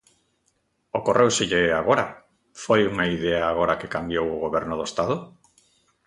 ¿Ocorréuselle agora, foi unha idea agora que cambiou o Goberno do Estado?